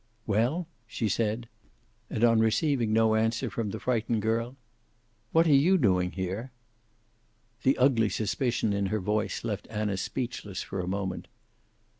"Well?" she said. And on receiving no answer from the frightened girl, "What are you doing here?" The ugly suspicion in her voice left Anna speechless for a moment.